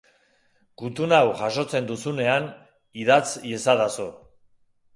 Gutun hau jasotzen duzunean, idatz iezadazu.